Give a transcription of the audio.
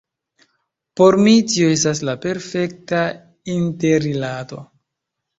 Por mi, tio estas la perfekta interrilato.